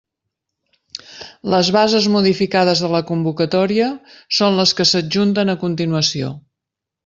Les bases modificades de la convocatòria són les que s'adjunten a continuació.